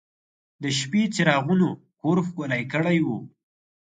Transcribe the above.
د شپې څراغونو کور ښکلی کړی و.